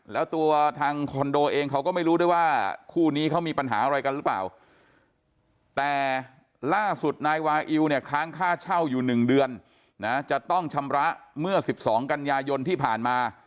ล่าสุดนายวาอิวเนี่ยค้างค่าเช่าอยู่๑เดือนนะจะต้องชำระเมื่อ๑๒กันยายนที่ผ่านมา